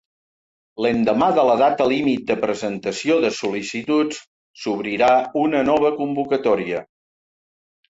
L'endemà de la data límit de presentació de sol·licituds s'obrirà una nova convocatòria.